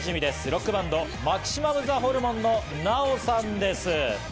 ロックバンド、マキシマムザホルモンのナヲさんです。